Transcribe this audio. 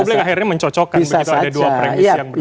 publik akhirnya mencocokkan begitu ada dua premis yang berbeda